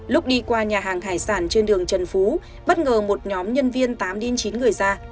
lúc đi qua nhà hàng hải sản trên đường trần phú bất ngờ một nhóm nhân viên tám chín người ra